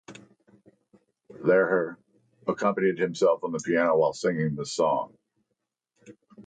Lehrer accompanied himself on the piano while singing the song.